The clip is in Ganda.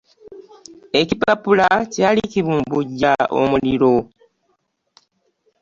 Ekipapula kyali kibumbujja omuliro.